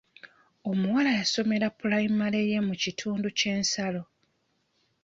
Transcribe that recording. Omuwala yasomera pulayimale ye mu kitundu ky'ensalo.